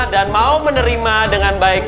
dan mau menerima dengan baik